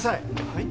はい？